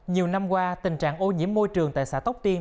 nhiều năm qua tình trạng ô nhiễm môi trường tại xã tóc tiên